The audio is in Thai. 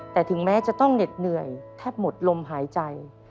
แต่ถึงแม้จะต้องเหน็ดเหนื่อยแทบหมดลมหายใจ